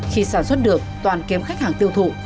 khi sản xuất được toàn kiếm khách hàng tiêu thụ